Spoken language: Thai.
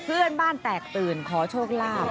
เพื่อนบ้านแตกตื่นขอโชคลาภ